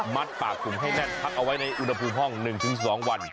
ปากถุงให้แน่นพักเอาไว้ในอุณหภูมิห้อง๑๒วัน